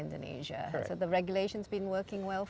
jadi apakah regulasi yang berjalan dengan baik